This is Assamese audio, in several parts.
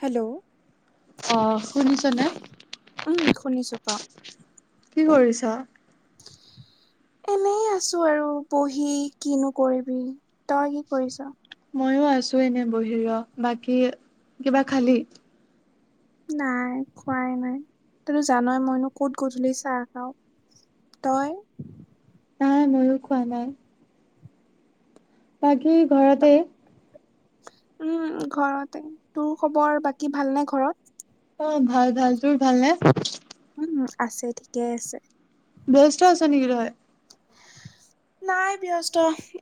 হেল্ল'! অ শুনিছনে? উম, শুনিছো ক। কি কৰিছ? [inaudible] এনেই আছো আৰু বহি। কিনো কৰিবি, তই কি কৰিছ? ময়ো আছো এনে বহি ৰ। বাকী কিবা খালি? নাই খোৱাই নাই। তইটো জানই মইনো ক'ত গধূলি চাহ খাওঁ। তই? নাই, ময়ো খোৱা নাই। বাকী ঘৰতে? উম, ঘৰতে। তোৰ খবৰ বাকী ভালনে ঘৰত? অ', ভাল ভাল। তোৰ ভাল নে? উম, আছে ঠিকেই আছে। ব্যস্ত আছ নেকি তই? নাই ব্যস্ত।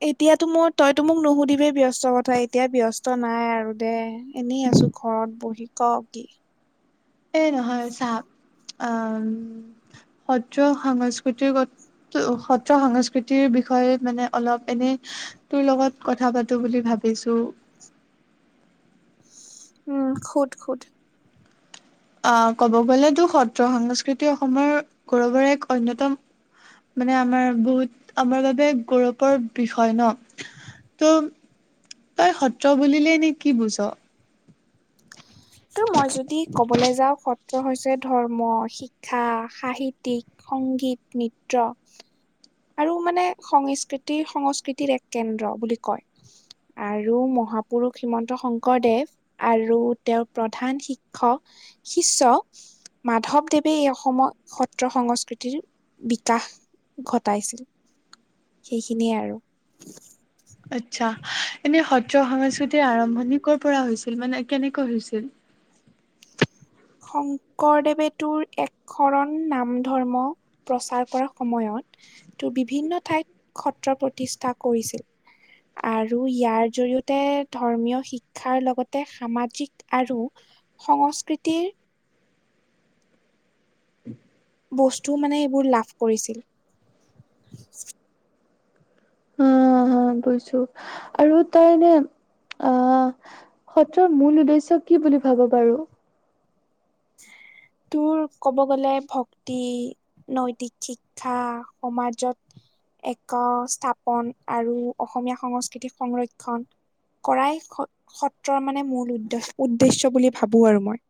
এতিয়াতো মোৰ তইতো মোক নুসুধিবিয়ে ব্যস্ত কথা। এতিয়াই ব্য স্ত নাই আৰু দে। এনেই আছো ঘৰত বহি ক কি। এই নহয় চা আ উম, সত্ৰ-সংস্কৃতিৰ কথ সত্ৰ-সংস্কৃতিৰ বিষয়ে মানে অলপ এনেই তোৰ লগত কথা পাতো বুলি ভাবিছো। উম, সোধ সোধ। অহ, ক'ব গ'লেতো সত্ৰ-সংস্কৃতি অসমৰ গৌৰৱৰে এক অন্যতম মানে আমাৰ বহুত আমাৰ বাবে গৌৰৱৰ বিষয় ন। ত' তই সত্ৰ বুলিলে এনে কি বুজ? ত' মই যদি ক'বলৈ যাওঁ সত ত্ৰ হৈছে ধৰ্ম, শিক্ষা, সাহিত্যিক, সংগীত নৃত্য। আৰু মানে সংস্কৃতি সংস্কৃতিৰ এক কেন্দ্ৰ বুলি কয়। আৰু মহাপুৰুষ শ্ৰীমন্ত শংকৰদেৱ আৰু তেওঁৰ প্ৰধান শিক্ষক শিষ্য মাধৱদেৱে এই অসমৰ সত্ৰ-সংস্কৃতিৰ বিকাশ ঘট টাইছিল সেইখিনিয়ে আৰু। আচ্ছা। এনে সত্ৰ-সংস্কৃতিৰ আৰম্ভণি ক'ৰ পৰা হৈছিল মানে কেনেকৈ হৈছিল? শংকৰদেৱে তোৰ একশৰণ নাম ধৰ্ম প্ৰচাৰ কৰা সময়ত তোৰ বিভিন্ন ঠাইত সত্ৰ প্ৰতিষ্ঠা কৰিছিল। আৰু ইয়াৰ জৰিয়তে ধৰ্মীয় শিক্ষাৰ লগতে সামাজিক আৰু সংস্কৃতিৰ বস্তু মানে এইবোৰ লাভ কৰিছিল। অ', বুইছোঁ আৰু তই এনে, অহ, সত্ৰৰ মূল উদ্দেশ্য কি বুলি ভাব বাৰু? তোৰ ক'ব গ'লে ভক্তি নৈতিক শিক্ষা সমাজত একস্থাপন আৰু অসমীয়া সংস্কৃতিক সংৰক্ষণ কৰাই সত সত্ৰৰ মানে মূল উদ্দচ উদ্দেশ্য বুলি ভাবো আৰু মই।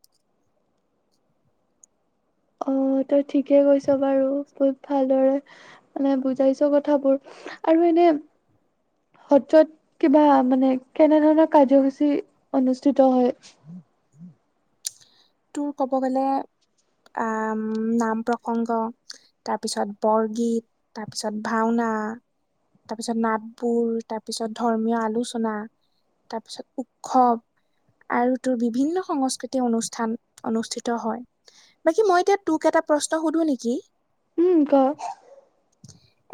অ', তই ঠিকে কৈছ বাৰু। বহুত ভালদৰে মানে বুজাইছ কথাবোৰ। আৰু এনে সত্ৰত কিবা মানে কেনে ধৰণৰ কাৰ্যসূচী অনুষ্ঠিত হয়? তোৰ ক'ব গ'লে আম নাম প্ৰসংগ তাৰপিছত বৰগীত তাৰপিছত ভাওনা তাৰপিছত নাটবোৰ তাৰপিছত ধৰ্মীয় আলোচনা তাৰপিছত উৎসৱ আৰু তোৰ বিভিন্ন সংস্কৃতি অনুষ্ঠান অনুষ্ঠিত হয়। বাকী মই এতিয়া তোক এটা প্ৰশ্ন সুধো নেকি? উম, ক।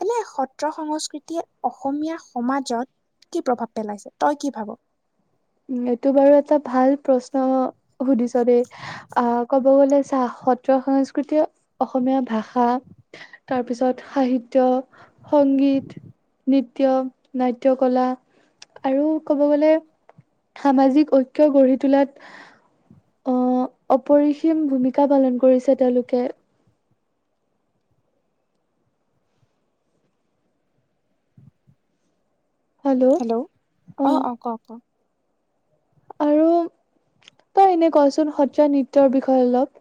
এনে সত্ৰ সংস্কৃতিয়ে অসমীয়া সমাজত কি প্ৰভাৱ পেলাইছে, তই কি ভাব? উ এইটো বাৰু এটা ভাল প্ৰশ্ন সুধিছ দেই। আহ ক'ব গ'লে চা সত্ৰ সংস্কৃতিয়ে অসমীয়া ভাষা তাৰপিছত সাহিত্য, সংগীত নৃত্য, নাট্য কলা, আৰু ক'ব গ'লে সামাজিক ঐক্য গঢ়ি তোলাত অ' অপৰিসীম ভূমিকা পালন কৰিছে তেওঁলোকে। হেল্ল' অ অঁ, অঁ, কক, কক। আৰু তই এনে কচোন সত্ৰীয়ানৃত্যৰ বিষয়ে অলপ?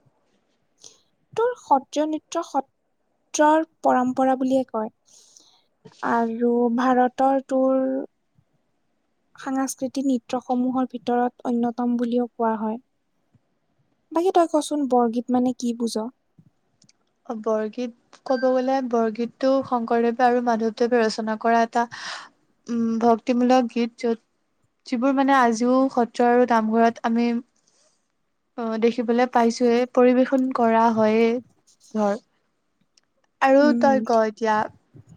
ত সত্ৰীয়ানৃত্য সত্ৰৰ পৰম্পৰা বুলিয়ে কয়। আৰু ভাৰতৰ তোৰ সাংস্কৃতিক নৃত্য সমূহৰ ভিতৰত অন্যতম বুলিও কোৱা হয়। বাকী তই কচোন বৰগীত মানে কি বুজ? বৰগীত ক'ব গ'লে বৰগীতটো শংকৰদেৱে আৰু মাধৱদেৱে ৰচনা কৰা এটা উম ভক্তিমূলক গীত, য'ত যিবোৰ মানে আজিও সত্ৰ আৰু নামঘৰত আমি অ' দেখিবলে পাইছোয়ে পৰিবেশন কৰা হয়ে। ধৰ আৰু তই ক উম এতিয়া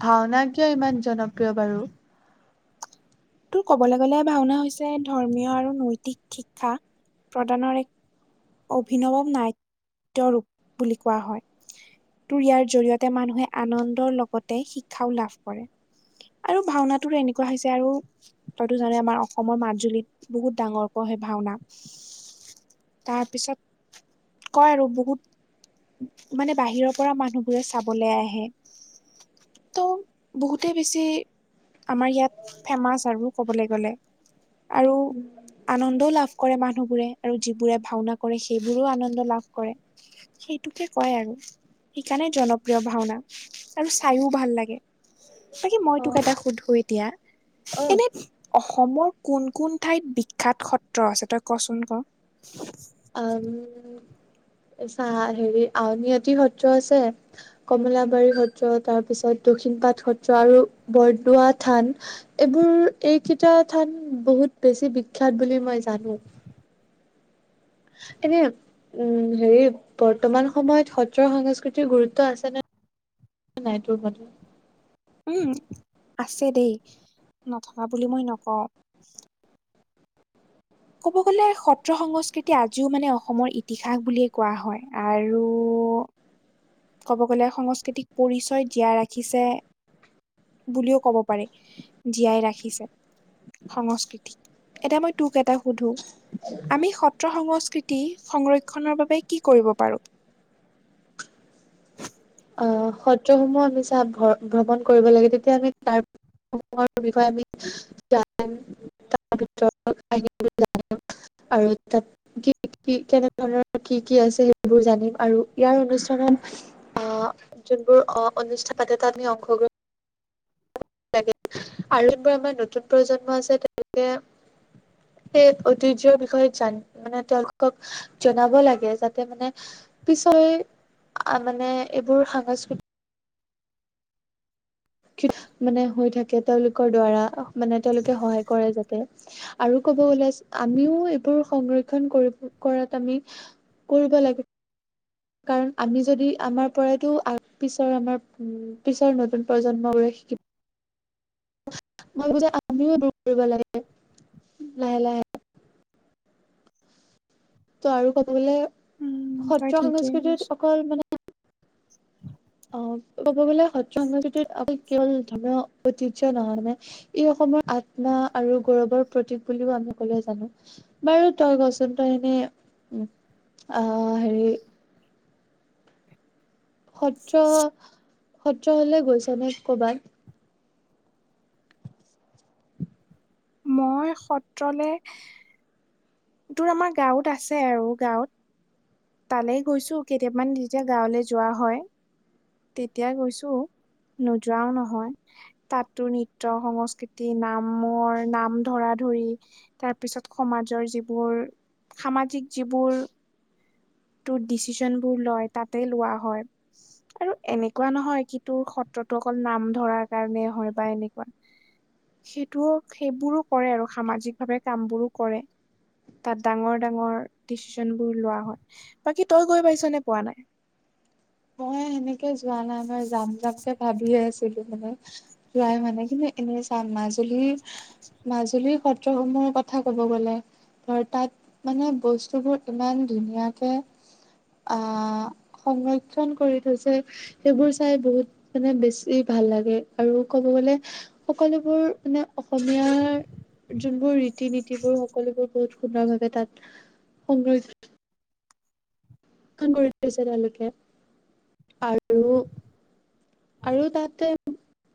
ভাওনা কিয় ইমান জনপ্ৰিয় বাৰু? তোৰ কবলৈ গ'লে ভাওনা হৈছে ধৰ্মীয় আৰু নৈতিক শিক্ষা প্ৰদানৰ এক অভিনৱ নাট্য ৰূপ বুলি কোৱা হয়। তোৰ ইয়াৰ জৰিয়তে মানুহে আনন্দৰ লগতে শিক্ষাও লাভ কৰে। আৰু ভাওনাটো এনেকুৱা হৈছে আৰু তইতো জানই আমাৰ অসমৰ মাজুলীত বহুত ডাঙৰকৈ হয় ভাওনা। তাৰপিছত কয় আৰু বহুত মানে বাহিৰৰ পৰা মানুহবোৰে চাবলৈ আহে। ত' বহুতে বেছি আমাৰ ইয়াত ফেমাচ আৰু ক'বলৈ গ'লে আৰু আনন্দও লাভ কৰে মা নুহবোৰে আৰু যিবোৰে ভাওনা কৰে সেইবোৰোও আনন্দ লাভ কৰে সেইটোকে কয় আৰু। সেইকাৰণে জনপ্ৰিয় ভাওনা আৰু চাইও ভাল লাগে। বাকী মই অ তোক এটা সোধো এতিয়া অ এনে অসমৰ কোন কোন ঠাইত বিখ্যাত সত্ৰ আছে তই কচোন ক? উম, চা হেৰি আউনীআতি সত্ৰ আছে কমলাবাৰী সত্ৰ, তাৰ পিছত দক্ষিণ পাট সত্ৰ, আৰু বৰদোৱা থান। এইবোৰ এইকেইটা থান বহুত বেছি বিখ্যাত বুলি মই জানো। এনে উম, হেৰি বৰ্তমান সময়ত সত্ৰ সংস্কৃতিৰ গুৰুত্ব আছেনে নাই তোৰ মাতে? উম, আছে দেই নথকা বুলি মই নকওঁ। ক'ব গ'লে সত্ৰ সংস্কৃতি আজিও মানে অসমৰ ইতিহাস বুলিয়ে কোৱা হয়। আৰু ক'ব গ'লে সংস্কৃতিক পৰিচয় জিয়াই ৰাখিছে বুলিও ক'ব পাৰি, জীয়াই ৰাখিছে সংস্কৃতিক। এতিয়া মই তোক এটা সুধো। আমি সত্ৰ সংস্কৃতি সংৰক্ষণৰ বাবে কি কৰিব পাৰোঁ? আহ সত্ৰসমূহ আমি চা ভ-ভ্ৰমণ কৰিব লাগে তেতিয়া আমি তাৰ [unintelligible] আৰু তাত কি কি কেনে ধৰণৰ কি কি আছে সেইবোৰ জানিম আৰু ইয়াৰ অনুষ্ঠানত অ', যোনবোৰ অনুষ্ঠান পাতে তাত আমি অংশগ্ৰহন [unintelligible] আৰু জোন বোৰ আমাৰ নতুন প্ৰজন্ম আছে তেনেকে সেই ঐতিহ্যয়ৰ বিষয়ে জান মানে তেওঁলোকক জনাব লাগে যাতে মানে পিছই মানে এইবোৰ সাংস্কৃতি মানে হৈ থাকে তেওঁলোকৰ দ্বাৰা মানে তেওঁলোকে সহায় কৰে যাতে। আৰু ক'ব গ'লে আমিও এইবোৰ সংৰক্ষণ কৰিব কৰাত আমি কৰিব লাগে। কাৰণ, আমি যদি আমাৰ পৰাইতো পিছৰ আমাৰ উম, পিছৰ নতুন প্ৰজন্ম গোৰে শিকিব। মই ভাবো যে, আমিও এইবোৰ কৰিব লাগে লাহে লাহে। ত' আৰু ক'ব গ'লে উম, তই সত্ৰ ঠিকেই কৈছ। সংস্কৃতিত অকল মানে অ', ক'ব গ'লে সত্ৰ সংস্কৃতি অকল কেৱল ধৰ্মীয় ঐতিহ্য নহয়, মানে ই অসমৰ আত্মা আৰু গৌৰৱৰ প্ৰতীক বুলিও আমি সকলোৱে জানো। বাৰু তই কচোন তই এনেই আহ হেৰি সত্ৰ সত্ৰলে গৈছ নে কৰ'বাত? মই সত্ৰলে তোৰ আমাৰ গাঁৱত আছে আৰু গাঁৱত। তালেই গৈছো কেইটামান যেতিয়া গাঁৱলৈ যোৱা হয়। তেতিয়া গৈছো নোযোৱাও নহয়। তাত তোৰ নিত্য সংস্কৃতি নামৰ নাম ধৰা-ধৰি তাৰ পিছত সমাজৰ যিবোৰ সামাজিক যিবোৰ তোৰ ডিচিশনবোৰ লয় তাতেই লোৱা হয়। আৰু এনেকুৱা নহয়, কি তোৰ সত্ৰতো অকল নাম ধৰাৰ কাৰণে, হয় বা এনেকুৱা। সেইটোও সেইবোৰো কৰে আৰু সামাজিক ভাৱে কাম বোৰো কৰে। তাত ডাঙৰ ডাঙৰ ডিচিশন বোৰ লোৱা হয়, বাকী তই গৈ পাইছ নে পোৱা নাই? মই সেনেকে যোৱা নাই, মই যাম যামকে ভাবিয়ে আছিলো মানে। যোৱাই হোৱা নাই কিন্তু এনে চা মাজুলীৰ মাজুলীৰ সত্ৰসমূহৰ কথা কব গ'লে ধৰ তাত মানে বস্তুবোৰ ইমান ধুনীয়াকে অহ সংৰক্ষণ কৰি থৈছে। সেইবোৰ চাই বহুত মানে বেছি ভাল লাগে, আৰু ক'ব গ'লে সকলোবোৰ মানে অসমীয়াৰ যোনবোৰ ৰীতি ৰীতি-নীতিবোৰ সকলোবোৰ বহুত সুন্দৰ ভাৱে তাত সংৰক্ষণ কৰি থৈছে তেওঁলোকে, আৰু আৰু তাতে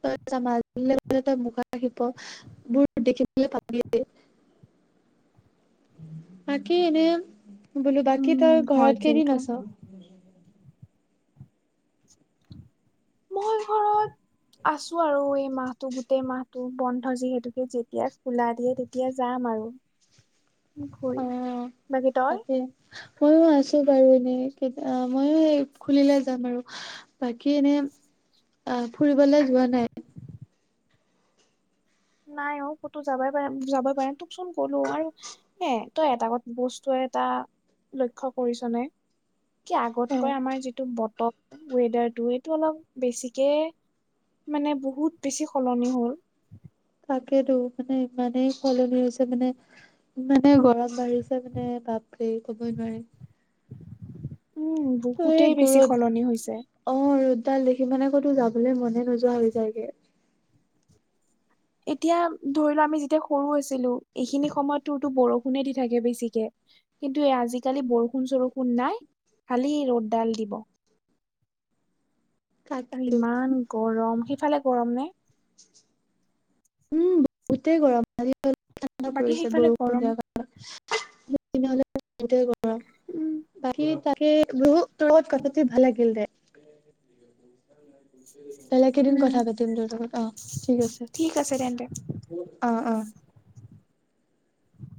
তই চা মাজুলী গ'লে তই মুগা শিল্প বোৰ দেখিবলৈ পাবিয়েই। বাকী এনে, বোলো বাকী তই উম হয় ঘৰত কিন্তু কেইদিন আছ? মই ঘৰত আছো আৰু এই মাহতটো, গোটেই মাহতটো বন্ধ যিহেতুকে, যেতিয়া খোলা দিয়ে তেতিয়া যাম আৰু অ ঘূৰি বাকী তই? তাকে ময়ো আছো বাৰু এনে, ময়ো খুলিলে যাম আৰু। বাকী এনে অ', ফুৰিবলে যোৱা নাই? নাই অ', ক'তো যাবই পাৰা যাব পাৰা নাই তোকচোন ক'লো আৰু হে তই এটা বস্তুৱে এটা লক্ষ কৰিছ নে? কি অ আগতকৈ আমাৰ যিটো বতক ৱেডাৰটো এইটো অলপ বেছিকে মানে বহুত বেছি সলনি হ'ল। তাকেতো। মানে ইমানেই সলনি হৈছে মানে ইমানে গৰম বাঢ়িছে মানে বাপ্ৰে ক'বই নোৱাৰি। উম। বহুতেই ৱেগ বেছি গুৰ'দ। সলনি হৈছে অ', ৰ'দডাল দেখি মানে ক'তো যাবলে মনে নোযোৱা হৈ যায়গে। এতিয়া ধৰি লোৱা আমি যেতিয়া সৰু আছিলো, এইখিনি সময়ত তোৰটো বৰষুণে দি থাকে বেছিকে। কিন্তু আজিকালি বৰষুণ-চৰষুণ নাই খালি ৰ'দডাল দিব। আৰু তাকেতো ইমান গৰম। সেইফালে গৰম নে? উম, বহুতে গৰম আজি [unintelligible] ঠাণ্ডা বাকী পৰিছে সেইফালে বৰষুণ গৰম দিয়া কাৰন [unintelligible] সেইটোৱে কৰা উম বাকী তাকে বহু তোৰ লগত কথা পাতি ভাল লাগিল দে। [inaudible] বেলেগ এদিন উম কথা পাতিম তোৰ লগত। অহ, ঠিক আছে। ঠিক আছে তেন্তে অ', অ'।